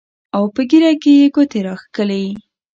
او پۀ ږيره کښې يې ګوتې راښکلې